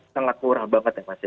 sangat murah banget ya mas ya